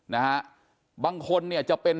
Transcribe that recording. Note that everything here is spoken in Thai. นะฮะบางคนเนี่ยจะเป็น